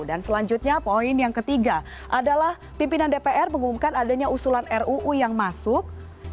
dan selanjutnya poin yang ketiga adalah pimpinan dpr mengumumkan adanya usulan ruu yang masuk